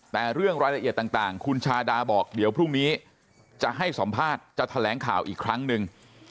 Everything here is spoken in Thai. แต่เรื่องรายละเอียดต่างคุณชาดาบอกเดี๋ยวพรุ่งนี้จะให้สัมภาษณ์จะแถลงข่าวอีกครั้งหนึ่ง